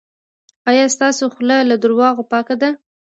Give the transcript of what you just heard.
ایا ستاسو خوله له درواغو پاکه ده؟